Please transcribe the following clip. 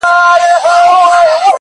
د پامیر لوري یه د ښکلي اریانا لوري؛